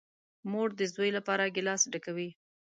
مور ده زوی لپاره گیلاس ډکوي .